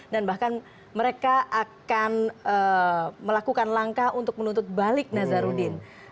dan bahkan mereka akan melakukan langkah untuk menuntut balik nazarudin